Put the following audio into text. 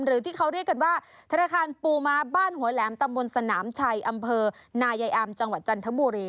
หรือที่เขาเรียกกันว่าธนาคารปูม้าบ้านหัวแหลมตำบลสนามชัยอำเภอนายายอามจังหวัดจันทบุรี